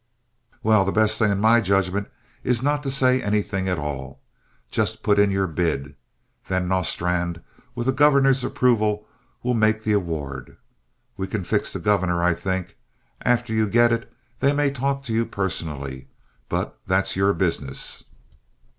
"Well, the best thing in my judgment is not to say anything at all. Just put in your bid. Van Nostrand, with the governor's approval, will make the award. We can fix the governor, I think. After you get it they may talk to you personally, but that's your business."